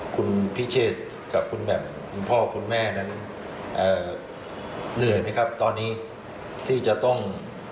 คุณพิเชษกับคุณแหม่มคุณพ่อคุณแม่นั้นเหนื่อยไหมครับตอนนี้ที่จะต้อง